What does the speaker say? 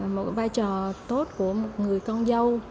một vai trò tốt của một người con dâu